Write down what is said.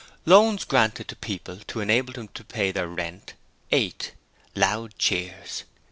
Loans granted to people to enable them to pay their rent, 8. (Loud cheers.)